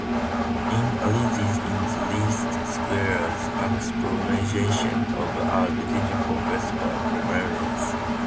It arises in the least squares approximation of arbitrary functions by polynomials.